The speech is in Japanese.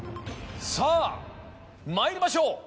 さぁまいりましょう。